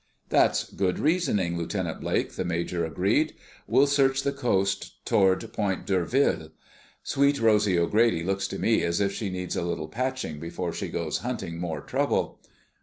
"That's good reasoning, Lieutenant Blake," the major agreed. "We'll search the coast toward Point D'Urville. Sweet Rosy O'Grady looks to me as if she needs a little patching before she goes hunting more trouble."